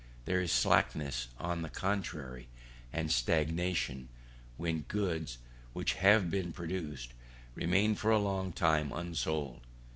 There is slackness, on the contrary, and stagnation, when goods, which have been produced, remain for a long time unsold.